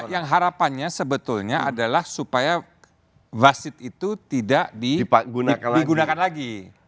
yang harapannya sebetulnya adalah supaya wasit itu tidak digunakan lagi